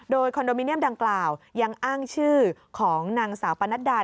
โดยคอนโดมิเนียมดังกล่าวยังอ้างชื่อของนางสาวปนัดดา